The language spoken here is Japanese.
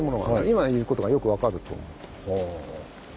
今言うことがよく分かると思う。